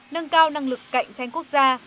nâng cao năng lực cạnh tranh quốc gia